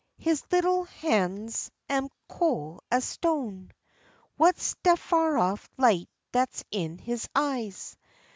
his little han's am col' as stone! W'at's dat far off light dat's in his eyes?